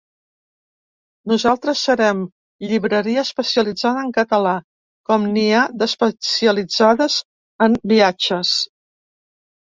Nosaltres serem llibreria especialitzada en català, com n’hi ha d’especialitzades en viatges.